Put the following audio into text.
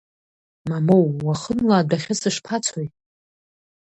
Мамоу, уахынла адәахьы сышԥацои!